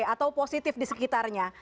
atau positif di sekitarnya